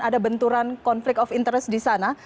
ada benturan konflik of interest disana